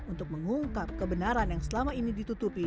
untuk mengungkap kebenaran yang selama ini ditutupi